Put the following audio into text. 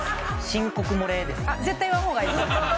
申告漏れですかね。